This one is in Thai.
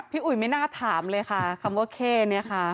อุ๋ยไม่น่าถามเลยค่ะคำว่าเข้เนี่ยค่ะ